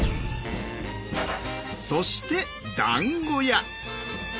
そしてだんご屋！